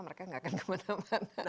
mereka gak akan kemana mana